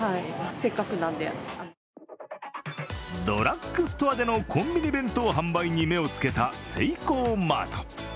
ドラッグストアでのコンビニ弁当販売に目をつけたセイコーマート。